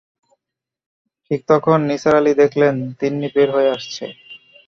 ঠিক তখন নিসার আলি দেখলেন, তিন্নি বের হয়ে আসছে।